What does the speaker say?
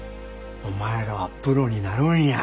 お前らはプロになるんや。